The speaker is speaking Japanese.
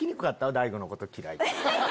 大悟のこと嫌いって。